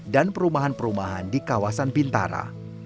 dan perumahan perumahan di kawasan pintara